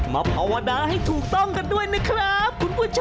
ภาวนาให้ถูกต้องกันด้วยนะครับคุณผู้ชม